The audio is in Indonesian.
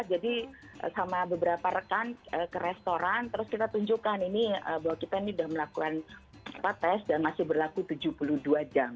jadi sama beberapa rekan ke restoran terus kita tunjukkan ini bahwa kita ini sudah melakukan tes dan masih berlaku tujuh puluh dua jam